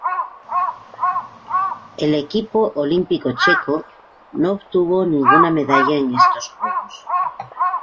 El equipo olímpico checo no obtuvo ninguna medalla en estos Juegos.